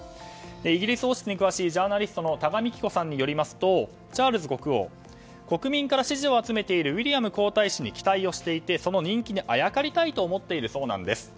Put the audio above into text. イギリス王室に詳しいジャーナリストの多賀幹子さんによりますとチャールズ国王は国民から支持を集めているウィリアム皇太子に期待していてその人気にあやかりたいと思っているそうなんです。